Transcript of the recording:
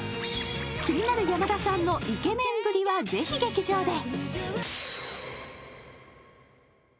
気になる山田さんのイケメンぶりは、ぜひ劇場で。